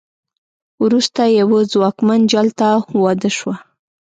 وروسته یوه ځواکمن جال ته واده شوه.